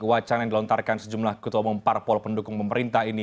wacana yang dilontarkan sejumlah ketua memparpol pendukung pemerintah ini